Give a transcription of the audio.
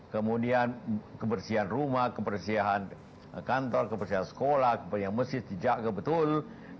kemudian kebersihan rumah kebersihan kantor kebersihan sekolah kebersihan mesin setiap kebetulan